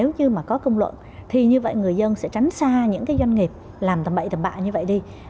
nếu như mà có công luận thì như vậy người dân sẽ tránh xa những doanh nghiệp làm tầm bại tầm bạ như vậy đi